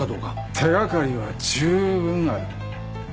手掛かりは十分ある。